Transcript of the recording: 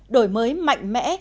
đổi mới mạnh mẽ